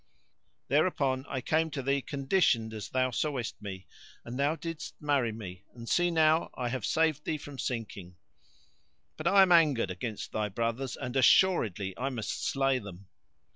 Thereupon I came to thee conditioned as thou sawest me and thou didst marry me, and see now I have saved thee from sinking. But I am angered against thy brothers and assuredly I must slay them."